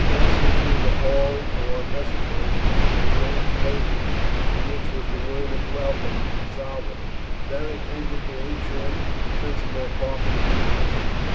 Passing through the hall or vestibule, with its mosaic pavement, on which was the word of welcome, "Salve!" Beric entered the atrium, the principal apartment in the house.